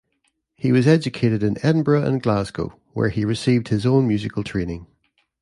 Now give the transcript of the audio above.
He was educated in Edinburgh and Glasgow, where he received his own musical training.